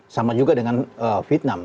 sama juga dengan vietnam